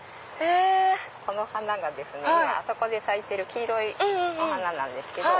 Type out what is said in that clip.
この花があそこで咲いてる黄色いお花なんですけど。